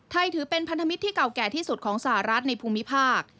ถือเป็นพันธมิตรที่เก่าแก่ที่สุดของสหรัฐในภูมิภาค